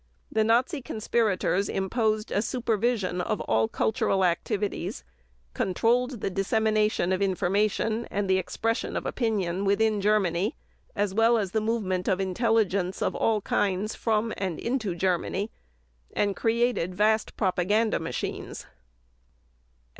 The Nazi conspirators imposed a supervision of all cultural activities, controlled the dissemination of information and the expression of opinion within Germany as well as the movement of intelligence of all kinds from and into Germany, and created vast propaganda machines.